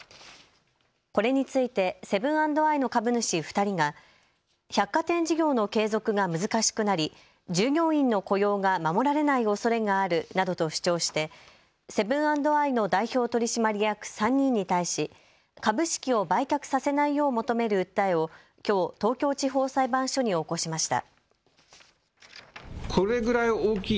これについてセブン＆アイの株主２人が百貨店事業の継続が難しくなり従業員の雇用が守られないおそれがあるなどと主張してセブン＆アイの代表取締役３人に対し、株式を売却させないよう求める訴えをきょう東京地方裁判所に起こしました。